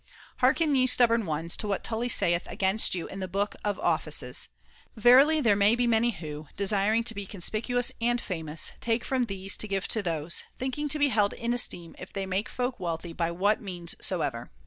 Hearken ye stubborn ones to what Tully saith against you in the book Of Offices :' Verily there be many who, desiring to be conspicuous and famous, take from these to give to those, thinking to be held in esteem if they make folk wealthy by what means soever.